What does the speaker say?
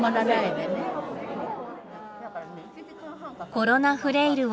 コロナフレイルを防ぐ。